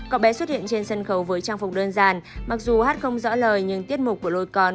cậu bé xuất hiện trên sân khấu với trang phục đơn giản mặc dù hát không rõ lời nhưng tiết mục của lôi con